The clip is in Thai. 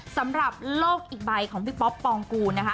สำหรับโลกอีกใบของพี่ป๊อปปองกูลนะคะ